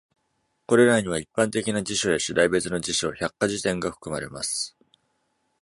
これらには、一般的な辞書や主題別の辞書、百科事典が含まれます。